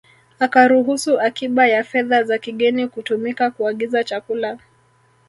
Akaruhusu akiba ya fedha za kigeni kutumika kuagiza chakula